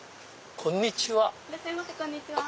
こんにちは。